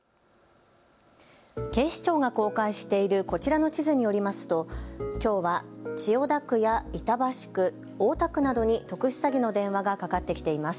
警視庁が公開しているこちらの地図によりますときょうは千代田区や板橋区、大田区などに特殊詐欺の電話がかかってきています。